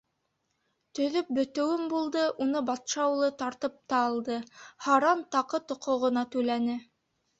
Төҙөп бөтәүем булды, уны батша улы тартып та алды. һаран, таҡы-тоҡо ғына түләне.